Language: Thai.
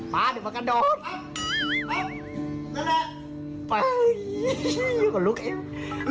ป๊าเดี๋ยวมากันโดน